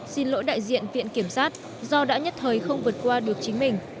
xin lỗi đại diện viện kiểm sát do đã nhất thời không vượt qua được chính mình